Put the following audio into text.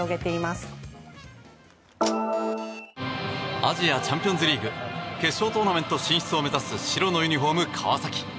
アジアチャンピオンズリーグ決勝トーナメント進出を目指す白のユニホーム川崎。